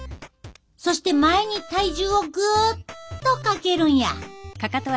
そして前に体重をぐっとかけるんや。